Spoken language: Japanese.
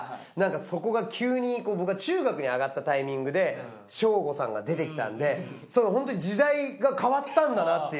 そこが急に僕が中学に上がったタイミングで翔吾さんが出てきたんでホント時代が変わったんだなっていう。